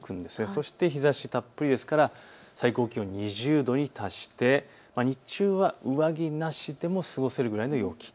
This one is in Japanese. そして日ざしたっぷりですから最高気温２０度に達して日中は上着なしでも過ごせるくらいの陽気。